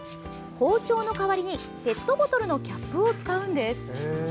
包丁の代わりにペットボトルのキャップを使うんです。